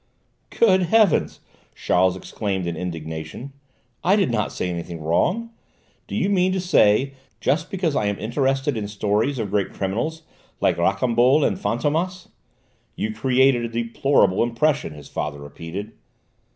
"Good heavens!" Charles exclaimed in indignation, "I did not say anything wrong. Do you mean to say that just because I am interested in stories of great criminals like Rocambole and Fantômas " "You created a deplorable impression," his father repeated.